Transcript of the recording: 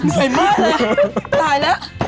ใส่มากเลยตายแล้ว